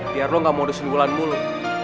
biar lo gak modusin wulan mulu